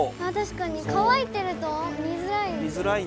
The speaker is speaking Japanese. かわいてると見づらい。